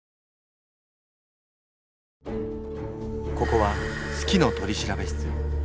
ここは「好きの取調室」。